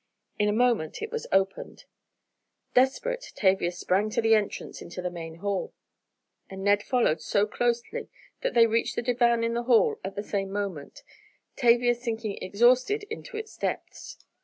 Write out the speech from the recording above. In a moment it was opened. Desperate, Tavia sprang to the entrance into the main hall, and Ned followed so closely that they reached the divan in the hall at the same moment, Tavia sinking exhausted into its depths.